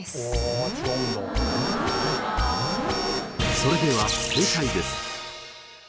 それでは正解です。